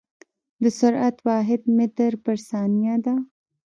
د سرعت واحد متر پر ثانيه ده.